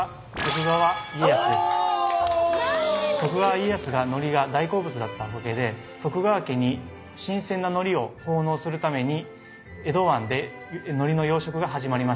徳川家康がのりが大好物だったおかげで徳川家に新鮮なのりを奉納するために江戸湾でのりの養殖が始まりました。